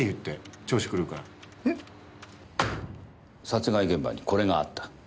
殺害現場にこれがあった。